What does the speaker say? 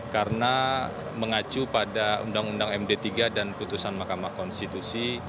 karena mengacu pada undang undang md tiga dan keputusan mahkamah konstitusi